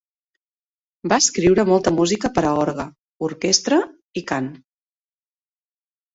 Va escriure molta música per a orgue, orquestra i cant.